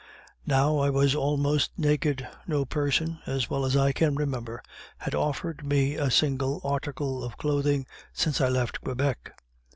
Now I was almost naked; no person, as well as I can remember, had offered me a single article of clothing since I left Quebec.